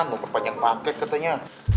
mau perpanjang paket katanya